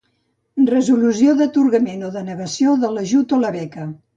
Resolució d'atorgament o denegació de l'ajut o la beca.